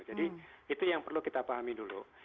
jadi itu yang perlu kita pahami dulu